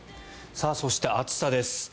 そして、暑さです。